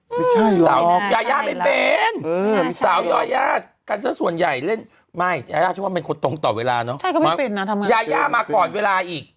ไม่ใช่เหรอยายาไม่เป็นสาวยากันซะส่วนใหญ่เล่นไม่ยายาฉันว่าเป็นคนตรงต่อเวลาเนอะยาย่ามาก่อนเวลาอีก